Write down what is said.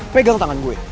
pegel tangan gue